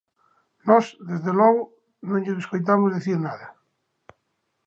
Nós, dende logo, non lle escoitamos dicir nada.